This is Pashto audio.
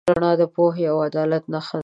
رڼا د پوهې او عدالت نښه ده.